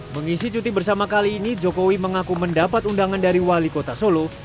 mengisi cuti bersama kali ini jokowi mengaku mendapat undangan dari wali kota solo